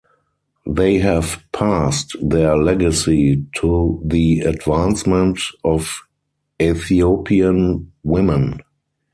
They have passed their legacy to the advancement of Ethiopian women.